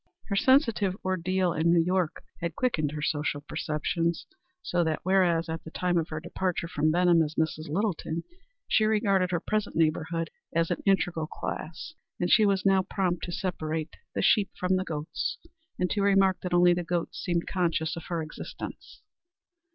Her sensitive ordeal in New York had quickened her social perceptions, so that whereas at the time of her departure from Benham as Mrs. Littleton she regarded her present neighborhood as an integral class, she was now prompt to separate the sheep from the goats, and to remark that only the goats seemed conscious of her existence.